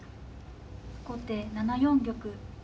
後手７四玉。